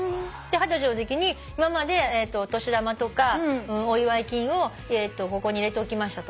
二十歳のときに今までお年玉とかお祝い金をここに入れておきました。